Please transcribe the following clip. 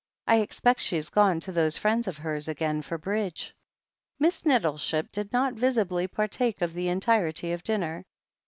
"I expect she's gone to those friends of hers again, for Bridge." Miss Nettleship did not visibly partake of the en tirety of dinner.